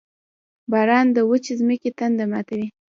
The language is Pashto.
• باران د وچې ځمکې تنده ماتوي.